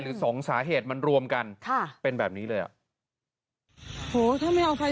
หรือ๒สาเหตุมันรวมกันเป็นแบบนี้เลย